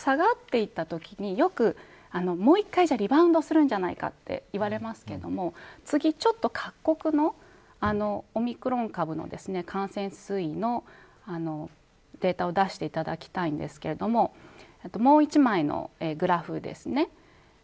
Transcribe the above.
下がっていったときに、よくもう１回リバウンドするんじゃないかと言われますが次ちょっと各国のオミクロン株の感染推移のデータを出していただきたいんですけれどももう１枚のグラフですね。